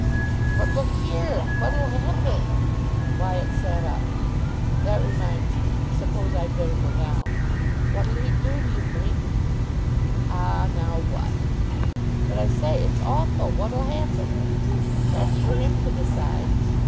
"But look here, what'll happen?" Wyatt sat up. "That reminds me. Suppose I'd better go down." "What'll he do, do you think?" "Ah, now, what!" "But, I say, it's awful. What'll happen?" "That's for him to decide.